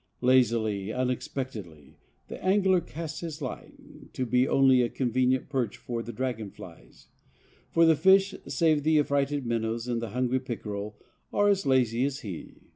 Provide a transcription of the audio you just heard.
Lazily, unexpectantly, the angler casts his line, to be only a convenient perch for the dragonflies; for the fish, save the affrighted minnows and the hungry pickerel, are as lazy as he.